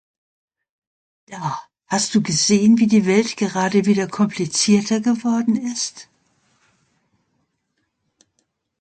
Da! Hast du gesehen, wie die Welt gerade wieder komplizierter geworden ist?